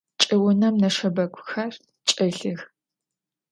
Çç'ıunem neşşebeguxer çç'elhıx.